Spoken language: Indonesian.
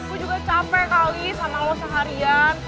aku juga capek kali sama lo seharian